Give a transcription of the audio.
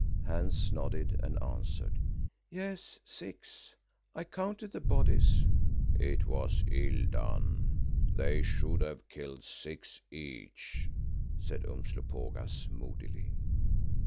Hans nodded and answered, "Yes, six. I counted the bodies." "It was ill done, they should have killed six each," said Umslopogaas moodily.